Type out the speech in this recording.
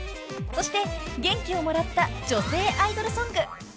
［そして元気をもらった女性アイドルソング］